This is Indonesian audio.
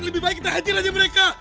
lebih baik kita hadir aja mereka